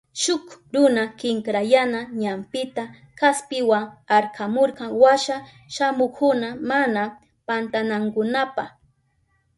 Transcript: Shuk runa kinkrayana ñampita kaspiwa arkamurka washa shamuhukkuna mana pantanankunapa.